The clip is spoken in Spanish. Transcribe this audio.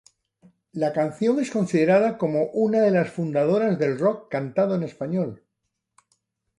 La canción es considerada como una de las fundadoras del rock cantado en español.